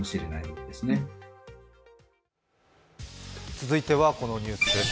続いてはこのニュースです。